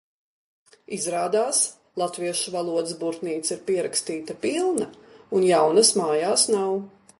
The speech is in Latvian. Izrādās latviešu valodas burtnīca ir pierakstīta pilna, un jaunas mājās nav.